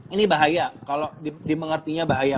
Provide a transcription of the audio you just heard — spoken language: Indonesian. ini bahaya kalau dimengertinya bahaya